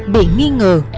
bị nghi ngờ